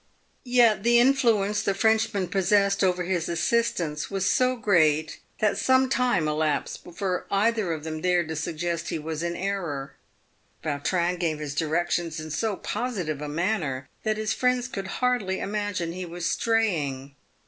Yet the influence the Frenchman possessed over his assistants was so great that some time elapsed before either of them dared to suggest he was in error. Yautrin gave his directions in so positive a manner that his friends could hardly imagine he was straying.